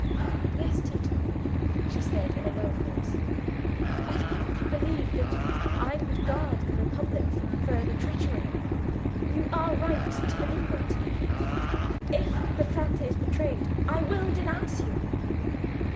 "Yes, Tito," she said, in a low voice, "I think you believe that I would guard the Republic from further treachery. You are right to believe it: if the Frate is betrayed, I will denounce you."